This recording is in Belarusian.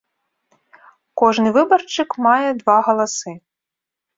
Кожны выбаршчык мае два галасы.